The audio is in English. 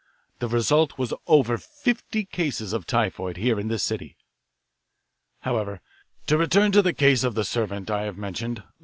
The result was over fifty cases of typhoid here in this city. "However, to return to the case of the servant I have mentioned.